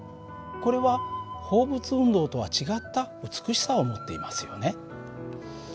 これは放物運動とは違った美しさを持っていますよね。